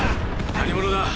何者だ！